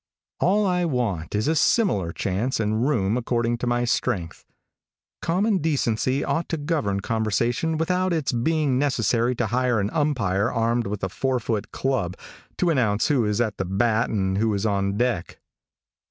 All I want is a similar chance and room according to my strength. Common decency ought to govern conversation without its being necessary to hire an umpire armed with a four foot club, to announce who is at the bat and who is on deck.